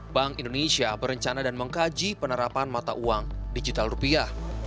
bank indonesia berencana dan mengkaji penerapan mata uang digital rupiah